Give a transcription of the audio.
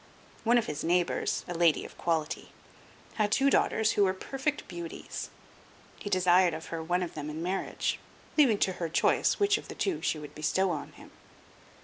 One of his neighbors, a lady of quality, had two daughters who were perfect beauties. He desired of her one of them in marriage, leaving to her choice which of the two she would bestow on him.